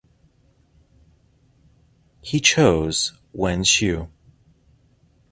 He chose Wenxiu.